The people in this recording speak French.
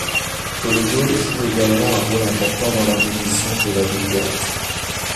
Toledo joue également un rôle important dans la révision de la Vulgate.